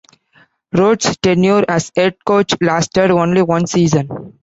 Rhodes's tenure as head coach lasted only one season.